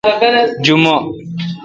جمعہ